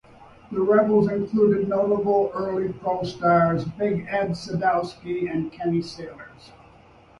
The Rebels included notable early pro stars Big Ed Sadowski and Kenny Sailors.